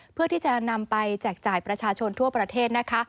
เพื่อที่จะนำไปแจกจ่ายประชาชนทั่วประเทศนะคะ